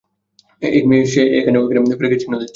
এই এই, সে এখন আমাকেও, পেরেকের চিহ্ন দিচ্ছে।